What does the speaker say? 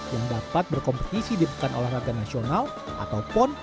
yang dapat berkompetisi di pekan olahraga nasional atau pon